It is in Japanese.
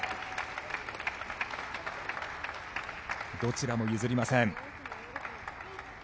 どちらも譲りません。